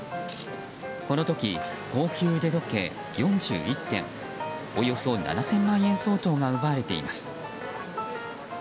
この時、高級腕時計４１点およそ７０００万円相当が奪われています。